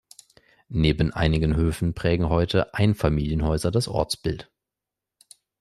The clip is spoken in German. Neben einigen Höfen prägen heute Einfamilienhäuser das Ortsbild.